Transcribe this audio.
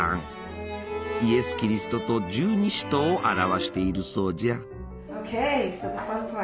イエス・キリストと十二使徒を表しているそうじゃ。